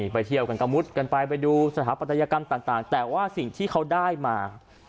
ไปเที่ยวกันก็มุดกันไปไปดูสถาปัตยกรรมต่างแต่ว่าสิ่งที่เขาได้มา